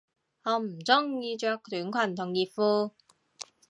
我唔鍾意着短裙同熱褲